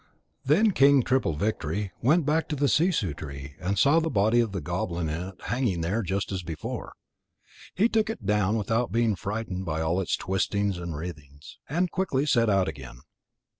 _ Then King Triple victory went back to the sissoo tree and saw the body with the goblin in it hanging there just as before. He took it down without being frightened by all its twistings and writhings, and quickly set out again.